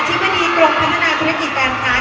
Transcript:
ธิบดีกรมพัฒนาธุรกิจการค้า